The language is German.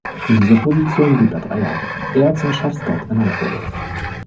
In dieser Position blieb er drei Jahre, ehe er zum Chefscout ernannt wurde.